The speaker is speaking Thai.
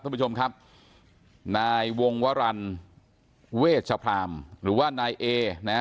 ท่านผู้ชมครับนายวงวรรณเวชพรามหรือว่านายเอนะฮะ